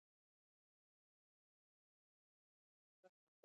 خلک له صادقو خلکو سره کار کوي.